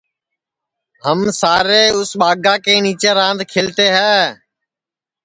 ہم سارے اُس ٻاگا کے نیچے راند کھلتے ہے